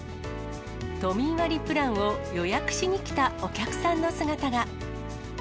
都民割プランを予約しに来たお客さんの姿が。